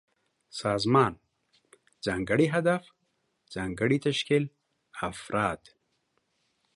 سازمان: ځانګړی هدف، ځانګړی تشکيل ، افراد